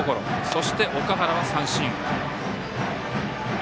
そして、岳原は三振。